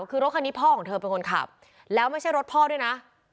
คือรถคันนี้พ่อของเธอเป็นคนขับแล้วไม่ใช่รถพ่อด้วยนะ